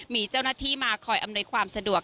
มีเจ้าหน้าที่มาคอยอำนวยความสะดวก